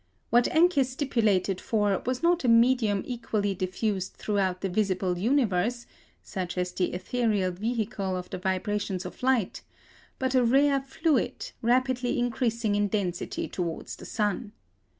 What Encke stipulated for was not a medium equally diffused throughout the visible universe, such as the ethereal vehicle of the vibrations of light, but a rare fluid, rapidly increasing in density towards the sun.